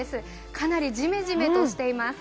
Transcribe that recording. かなりじめじめとしています。